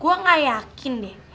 gue gak yakin deh